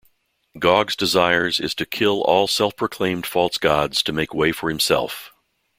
Gog's desires is to kill all self-proclaimed false gods to make way for himself.